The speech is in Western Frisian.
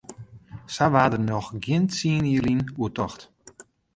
Sa waard dêr noch gjin tsien jier lyn oer tocht.